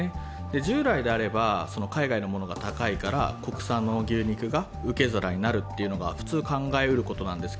従来であれば海外のものが高いから国産の牛肉が受け皿になるというのが普通、考えられることですが